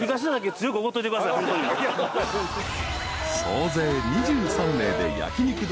［総勢２３名で］